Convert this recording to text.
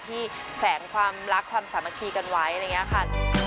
แฝงความรักความสามัคคีกันไว้อะไรอย่างนี้ค่ะ